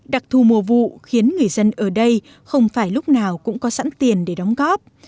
đặc thù mùa vụ khiến người dân ở đây không phải lúc nào cũng có sẵn tiền để đóng góp